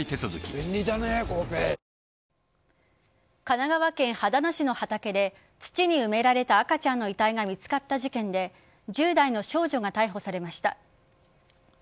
神奈川県秦野市の畑で土に埋められた赤ちゃんの遺体が見つかった事件で１０代の少女が逮捕されました。